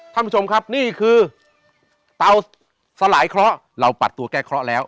ท่านผู้ชมครับนี่คือเตาสลายเคราะห์เราปัดตัวแก้เคราะห์แล้ว